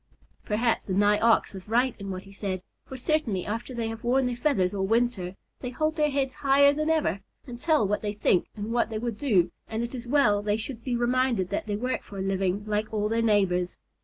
Perhaps the Nigh Ox was right in what he said, for certainly after they have worn their feathers all winter, they hold their heads higher than ever, and tell what they think and what they would do, and it is well they should be reminded that they work for a living like all their neighbors.